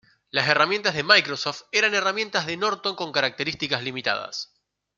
Las herramientas de Microsoft eran herramientas de Norton con características limitadas.